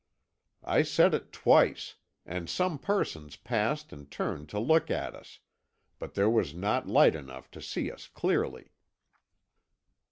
"I said it twice, and some persons passed and turned to look at us, but there was not light enough to see us clearly.